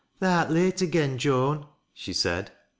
" Tha'rt late again, Joan," she said.